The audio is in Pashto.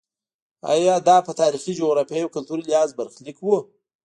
ایا دا په تاریخي، جغرافیایي او کلتوري لحاظ برخلیک و.